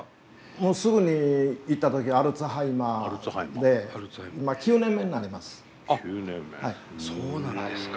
もうすぐに行った時アルツハイマーで今９年目になります。